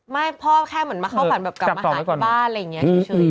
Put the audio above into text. ไม่พ่อแค่เหมือนมาเข้าฝันแบบกลับมาหาที่บ้านอะไรอย่างนี้เฉย